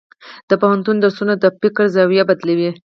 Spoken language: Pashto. د پوهنتون درسونه د فکر زاویې بدلوي.